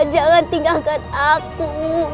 jangan tinggalkan aku